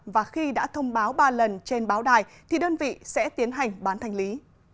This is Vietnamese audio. và khi đã thông báo ba lần trên báo đài thì đơn vị sẽ tiến hành bán thành lý